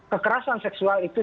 kekerasan seksual itu